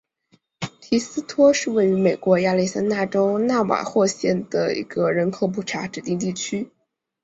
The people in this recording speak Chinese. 提斯托是位于美国亚利桑那州纳瓦霍县的一个人口普查指定地区。